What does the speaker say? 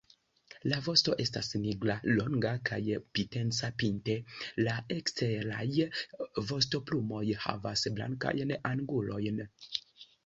La vosto estas nigra, longa, kaj pinteca pinte; la eksteraj vostoplumoj havas blankajn angulojn.